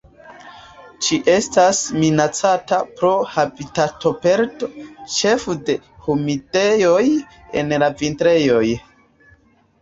Ĝi estas minacata pro habitatoperdo, ĉefe de humidejoj en la vintrejoj.